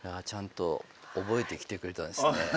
ちゃんと覚えてきてくれたんですね。